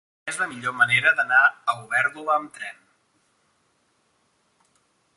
Mira'm quina és la millor manera d'anar a Olèrdola amb tren.